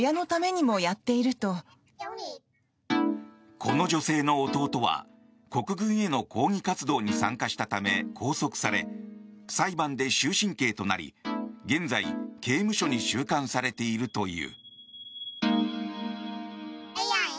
この女性の弟は、国軍への抗議活動に参加したため拘束され裁判で終身刑となり、現在刑務所に収監されているという。